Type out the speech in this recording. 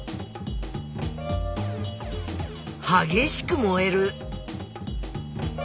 はげしく燃える。